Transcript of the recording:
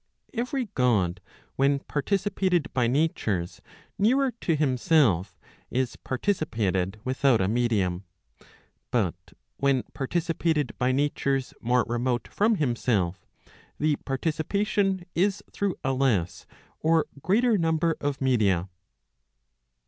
Every God, when participated by natures nearer to himself, is partici¬ pated without a medium; but when participated by natures more remote from himself, the participation is through a less or greater * number of media.